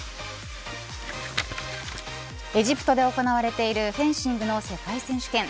エジプトで行われているフェンシングの世界選手権。